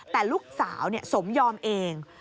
แต่ลูกสาวเนี่ยสมยอมเอง